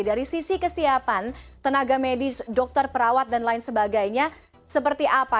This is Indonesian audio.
dari sisi kesiapan tenaga medis dokter perawat dan lain sebagainya seperti apa